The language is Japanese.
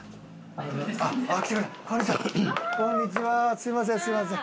すみませんすみません。